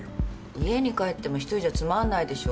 家に帰っても１人じゃつまんないでしょ？